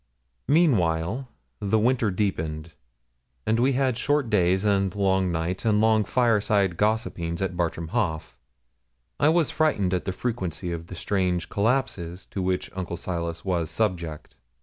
Meanwhile, the winter deepened, and we had short days and long nights, and long fireside gossipings at Bartram Haugh. I was frightened at the frequency of the strange collapses to which Uncle Silas was subject.